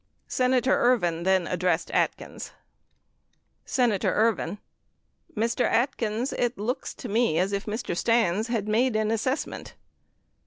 47 Sena tor Ervin then addressed Atkins : Senator Ervin. Mr. Atkins, it looks to me as if Mr. Stans had made an assessment.